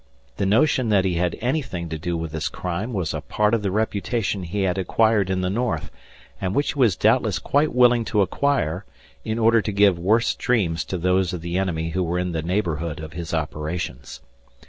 The notion that he had anything to do with this crime was a part of the reputation he had acquired in the North and which he was doubtless quite willing to acquire in order to give worse dreams to those of the enemy who were in the neighborhood of his operations.